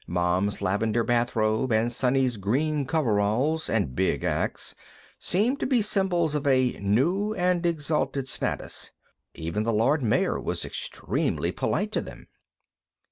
Mom's lavender bathrobe and Sonny's green coveralls and big ax seemed to be symbols of a new and exalted status; even the Lord Mayor was extremely polite to them.